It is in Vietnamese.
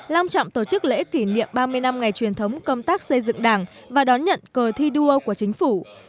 long trọng tổ chức lễ kỷ niệm ba mươi năm ngày truyền thống công tác xây dựng đảng và đón nhận cờ thi đua của chính phủ